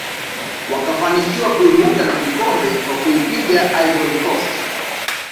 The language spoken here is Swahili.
wakafanikiwa kuibuka na kikombe kwa kuipiga ivory coast